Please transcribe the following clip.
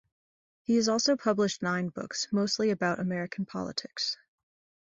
He has also published nine books, mostly about American politics.